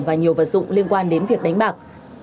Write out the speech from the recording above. và nhiều vật dụng liên quan đến việc đánh bạc